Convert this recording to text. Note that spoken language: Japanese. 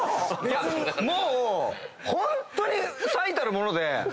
もうホントに最たるもので。